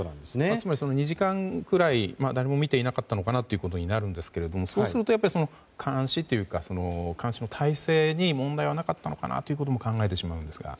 つまり、２時間くらい誰も見ていなかったのかなということになるんですけどそうすると監視というか監視の体制に問題はなかったのかなと考えてしまいますが。